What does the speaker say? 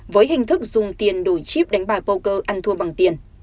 với hình thức dùng tiền đổi chip đánh bài poker ăn thua bằng tiền